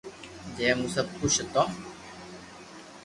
جي مون سب خوݾ ھتو